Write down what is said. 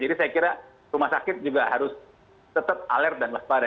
jadi saya kira rumah sakit juga harus tetap alert dan waspada